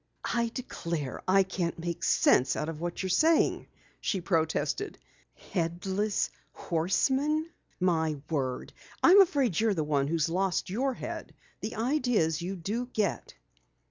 "I declare, I can't make sense out of what you're saying!" she protested. "Headless Horsemen, my word! I'm afraid you're the one who's lost your head. The ideas you do get!"